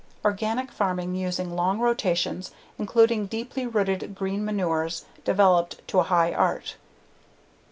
Organic farming using long rotations, including deeply rooted green manures developed to a high art.